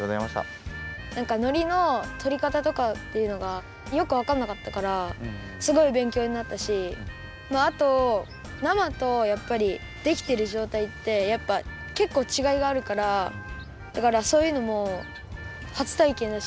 なんかのりのとりかたとかっていうのがよくわかんなかったからすごいべんきょうになったしあとなまとやっぱりできてるじょうたいってやっぱけっこうちがいがあるからだからそういうのもはつたいけんだし